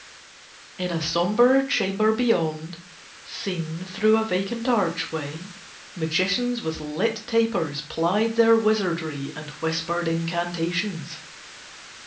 In a sombre chamber beyond, seen through a vacant archway, magicians with lighted tapers plied their wizardry and whispered incantations.